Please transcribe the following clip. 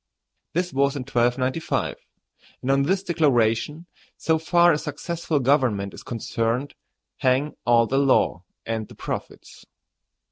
This was in 1295; and on this declaration, so far as successful government is concerned, hang all the law and the profits.